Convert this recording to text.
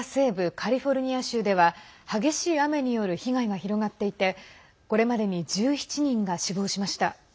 カリフォルニア州では激しい雨による被害が広がっていてこれまでに１７人が死亡しました。